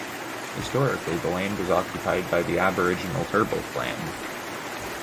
Historically, the land was occupied by the Aboriginal Turrbal clan.